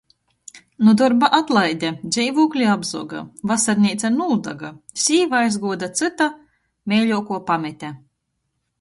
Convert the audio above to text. Nu dorba atlaide, dzeivūkli apzoga, vasarneica nūdaga, sīva aizguo da cyta, meiļuokuo pamete...